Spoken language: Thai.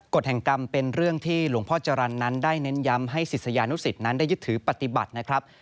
กฎแห่งกรรมเป็นเรื่องที่หลวงพ่อจรรย์นั้นได้เน้นย้ำให้ศิษยานุสิตนั้นได้ยึดถือปฏิบัตินะครับ